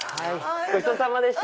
ごちそうさまでした。